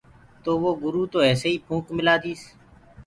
تو وو گُروُ تو ايسي ئي ڦونڪ مِلآ ديس۔